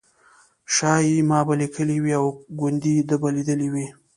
شایي ما به لیکلي وي او ګوندې ده به لیدلي وي.